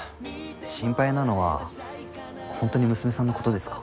心配なのは本当に娘さんのことですか？